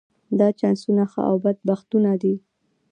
دا چانسونه ښه او بد بختونه دي.